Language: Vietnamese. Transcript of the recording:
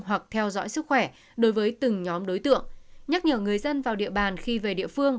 hoặc theo dõi sức khỏe đối với từng nhóm đối tượng nhắc nhở người dân vào địa bàn khi về địa phương